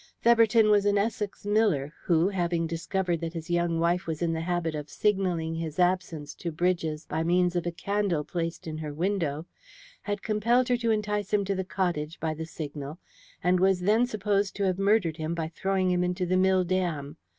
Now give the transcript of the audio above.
Theberton was an Essex miller, who, having discovered that his young wife was in the habit of signalling his absence to Bridges by means of a candle placed in her window, had compelled her to entice him to the cottage by the signal, and was then supposed to have murdered him by throwing him into the mill dam.